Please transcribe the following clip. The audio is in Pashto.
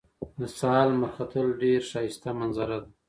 د سهار لمر ختل ډېر ښایسته منظره ده